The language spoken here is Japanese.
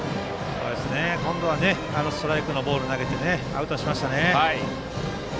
今度はストライクのボールを投げてアウトにしましたね。